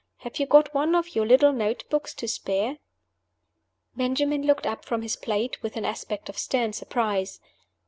Have you got one of your little note books to spare?" Benjamin looked up from his plate with an aspect of stern surprise.